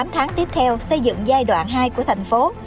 một mươi tám tháng tiếp theo xây dựng giai đoạn hai của thành phố